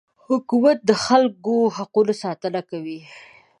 حکومت د خلکو د حقونو ساتنه کوي.